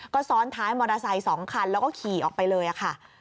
ก็ซ้อนท้ายมอเตอร์ไซค์๒คันแล้วก็ขี่ออกไปเลยค่ะ